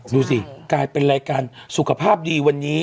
ดูสิกลายเป็นรายการสุขภาพดีวันนี้